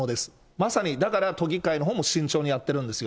まさにだから、都議会のほうも慎重にやってるんですよ。